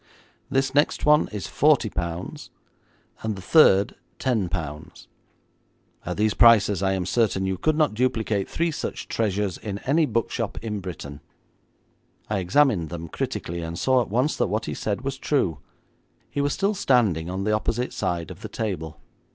This next one is forty pounds, and the third ten pounds. At these prices I am certain you could not duplicate three such treasures in any book shop in Britain.' I examined them critically, and saw at once that what he said was true. He was still standing on the opposite side of the table.